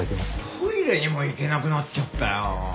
トイレにも行けなくなっちゃったよ。